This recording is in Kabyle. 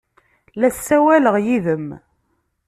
La ssawaleɣ yid-m!